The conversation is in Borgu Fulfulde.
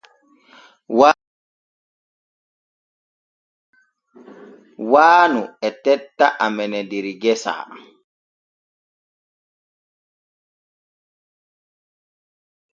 Waanu e tetta amene der gese.